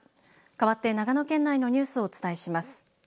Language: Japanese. かわって長野県内のニュースをお伝えします。